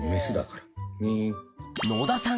野田さん